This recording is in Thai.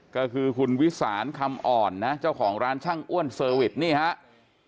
ก็คือคุณวิสานคำอ่อนนะเจ้าของร้านช่างอ้วนเซอร์วิสนี่ครับ